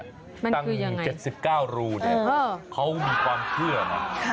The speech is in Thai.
ตั้ง๗๙รูเนี่ยเขามีความเชื่อนะ